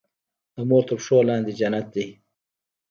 د مور تر پښو لاندي جنت دی.